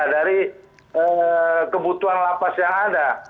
dari kebutuhan lapas yang ada